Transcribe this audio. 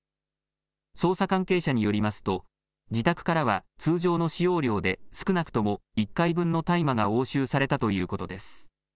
捜査関係者によりますと自宅からは通常の使用量で少なくとも１回分の大麻が押収されたということです。